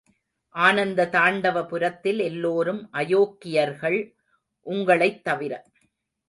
ஆனந்த தாண்டவபுரத்தில் எல்லோரும் அயோக்கியர்கள், உங்களைத் தவிர.